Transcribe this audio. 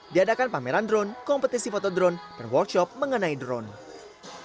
diadakan pameran drone kompetisi foto drone dan workshop mengenai drone